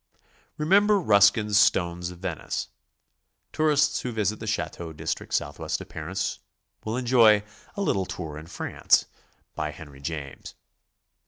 Remember Ruskin's Stones of Venice. Tourists who visit the chateau district south west of Paris will enjoy "A Little Tour in France," by 248 GOING ABROAD? Henry James.